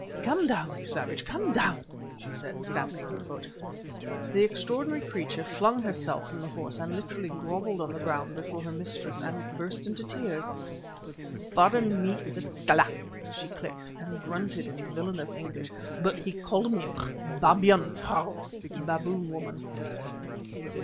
"Come down, you savage, come down!" she said, stamping her foot. The extraordinary creature flung herself from the horse and literally grovelled on the ground before her mistress and burst into tears. "Pardon, Miss Stella," she clicked and grunted in villainous English, "but he called me 'Babyan frau' (Baboon woman)."